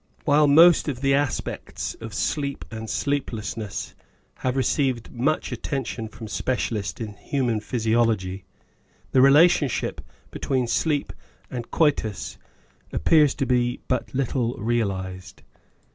While most of the aspects of sleep and sleeplessness have received much attention from specialists in human physiology, the relation be tween sleep and coitus appears to be but little realised.